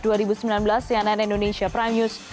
di ann indonesia prime news